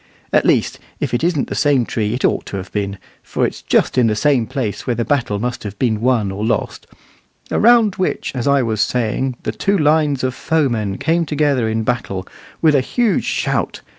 At least, if it isn't the same tree it ought to have been, for it's just in the place where the battle must have been won or lost "around which, as I was saying, the two lines of foemen came together in battle with a huge shout.